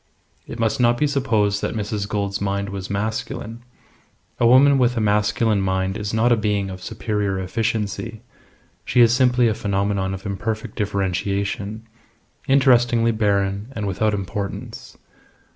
It must not be supposed that Mrs. Gould's mind was masculine. A woman with a masculine mind is not a being of superior efficiency; she is simply a phenomenon of imperfect differentiation interestingly barren and without importance.